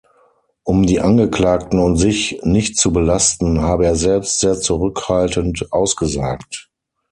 Um die Angeklagten und sich nicht zu belasten, habe er selbst sehr zurückhaltend ausgesagt.